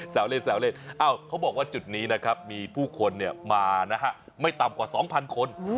เล่นแซวเล่นเขาบอกว่าจุดนี้นะครับมีผู้คนมานะฮะไม่ต่ำกว่า๒๐๐คน